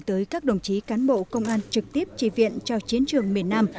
tới các đồng chí cán bộ công an trực tiếp tri viện cho chiến trường miền nam